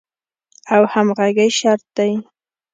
او همغږۍ شرط دی.